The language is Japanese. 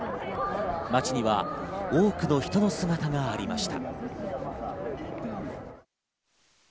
街には多くの人の姿がありました。